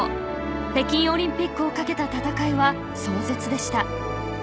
北京オリンピックをかけた戦いは壮絶でした。